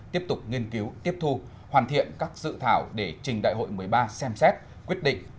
tiếp tục nghiên cứu tiếp thu hoàn thiện các dự thảo để trình đại hội một mươi ba xem xét quyết định